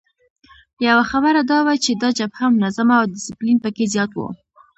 یوه خبره دا وه چې دا جبهه منظمه او ډسپلین پکې زیات وو.